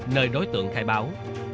nơi đối tượng khai báo